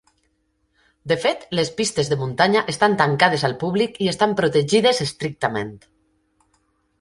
De fet, les pistes de muntanya estan tancades al públic i estan protegides estrictament.